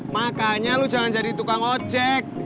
makanya lu jangan jadi tukang ojek